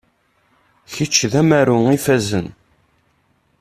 Kečč d amaru ifazen.